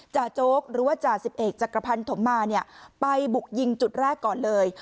โจ๊กหรือว่าจ่าสิบเอกจักรพันธมมาเนี่ยไปบุกยิงจุดแรกก่อนเลย